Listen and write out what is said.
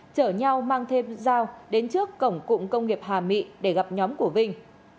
chở nhau mang thêm dao đến trước cổng cụng công nghiệp hà mỹ để gặp nhóm của vinh